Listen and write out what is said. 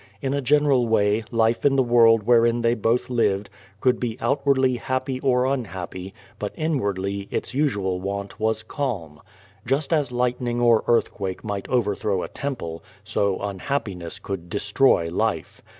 In a general way, life in the world wherein they both lived, could be outwardly happy or unhappy, but inwardly its usual wont was calm. Just as lightning or earthquake might: overthrow a temple, so unhappiness could destroy life.